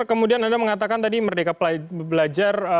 kemudian anda mengatakan tadi merdeka belajar